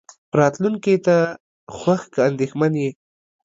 راتلونکې ته خوښ که اندېښمن يې.